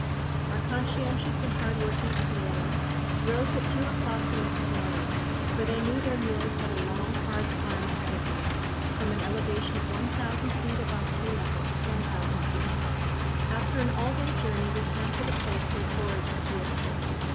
Our conscientious and hard working arrieros rose at two o'clock the next morning, for they knew their mules had a long, hard climb ahead of them, from an elevation of 1000 feet above sea level to 10,000 feet. After an all day journey we camped at a place where forage could be obtained.